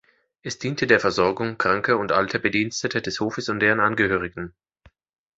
Es diente der Versorgung kranker und alter Bediensteter des Hofes und deren Angehörigen.